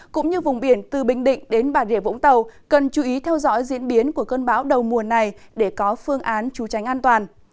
cũng như vùng biển từ bình định đến bà rịa vũng tàu cần chú ý theo dõi diễn biến của cơn bão đầu mùa này để có phương án chú tránh an toàn